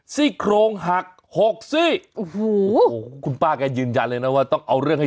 ซี่โครงหักหกซี่โอ้โหคุณป้าแกยืนยันเลยนะว่าต้องเอาเรื่องให้